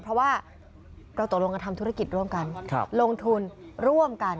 เพราะว่าเราตกลงกันทำธุรกิจร่วมกันลงทุนร่วมกัน